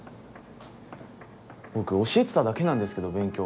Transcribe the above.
僕教えてただけなんですけど勉強をむしろ。